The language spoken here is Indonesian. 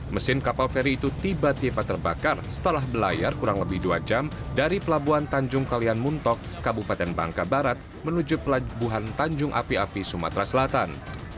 mesin kapal feri itu tiba tiba terbakar setelah belayar kurang lebih dua jam dari pelabuhan tanjung kalian muntok kabupaten bangka barat menuju pelabuhan tanjung api api sumatera selatan